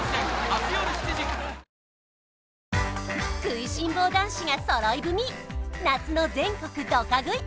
食いしん坊男子が揃い踏み夏の全国ドカ食い